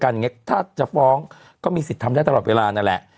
อย่างนี้ถ้าจะฟ้องก็มีสิทธิ์ทำได้ตลอดเวลานั่นแหละ